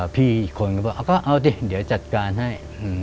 พี่อีกคนก็บอกก็เอาดิเดี๋ยวจัดการให้